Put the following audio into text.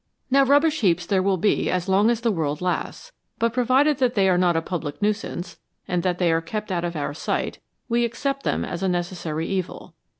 Now rubbish heaps there will be as long as the world lasts, but provided that they are not a public nuisance, and that they are kept out of our sight, we accept them as a necessary evil.